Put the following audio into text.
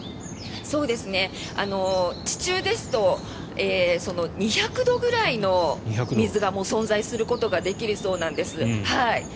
地中ですと２００度くらいの水が存在することができるそうなんです。